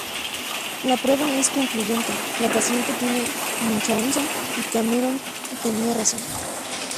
La prueba es concluyente: la paciente tiene Munchausen y Cameron tenía razón.